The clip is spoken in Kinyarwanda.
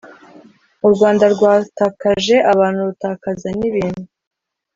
U Rwanda rwatakaje abantu, rutakaza n’ibintu.